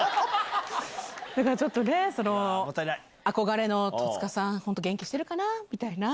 だからちょっとね、憧れの戸塚さん、本当、元気してるかなみたいな。